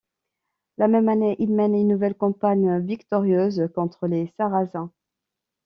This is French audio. La même année il mène une nouvelle campagne victorieuse contre les Sarrasins.